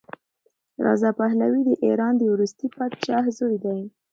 رضا پهلوي د ایران د وروستي پادشاه زوی دی.